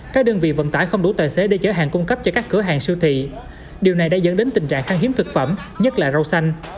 các đơn vị vận tải không đủ tài xế để chở hàng cung cấp cho các cửa hàng siêu thị điều này đã dẫn đến tình trạng căng hiếm thực phẩm nhất là rau xanh